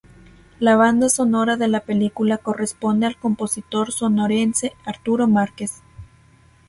La banda sonora de la película corresponde al compositor sonorense Arturo Márquez.